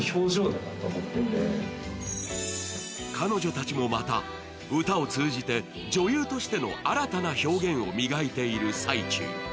彼女たちもまた歌を通じて女優としての新たな表現を磨いている最中。